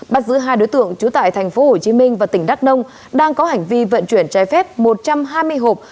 bắt giữ hai đối tượng trú tại tp hcm và tỉnh đắk nông đang có hành vi vận chuyển trái phép một trăm hai mươi hộp